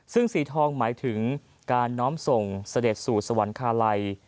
ซึ่งสีทองหมายถึงการน้อมส่งเสด็จสู่สวรรคาลัย